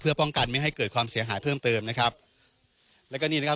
เพื่อป้องกันไม่ให้เกิดความเสียหายเพิ่มเติมนะครับแล้วก็นี่นะครับ